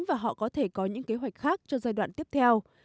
và họ có thể có những kế hoạch khác cho giai đoạn tiếp theo